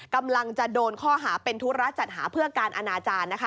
กำลังจะโดนข้อหาเป็นธุระจัดหาเพื่อการอนาจารย์นะคะ